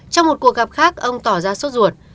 trong một cuộc gặp khác ông tỏ ra sốt ruột